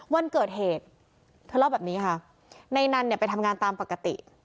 วันเกิดเหตุเธอเล่าแบบนี้ค่ะในนั้นเนี่ยไปทำงานตามปกติ